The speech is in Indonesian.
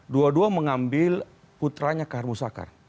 dua dua mengambil putranya khar musakar